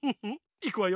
いくわよ。